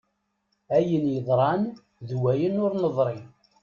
Ayen yeḍran d wayen ur neḍri.